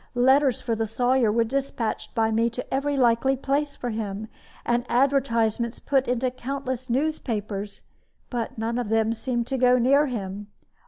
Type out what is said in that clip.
Letters for the Sawyer were dispatched by me to every likely place for him, and advertisements put into countless newspapers, but none of them seemed to go near him.